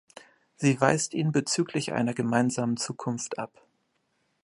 Sie weist ihn bezüglich einer gemeinsamen Zukunft ab.